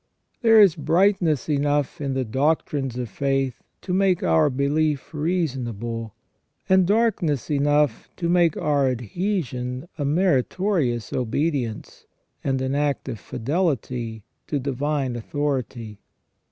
There is brightness enough in the doctrines of faith to make our belief reasonable, and darkness enough to make our adhesion a meritorious obedience, and an act of fidelity to divine authority.